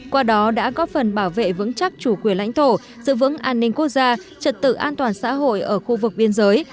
qua đó đã góp phần bảo vệ vững chắc chủ quyền lãnh thổ giữ vững an ninh quốc gia trật tự an toàn xã hội ở khu vực biên giới